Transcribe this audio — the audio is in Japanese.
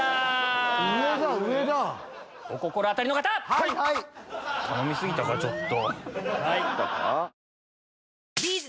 頼み過ぎたかちょっと。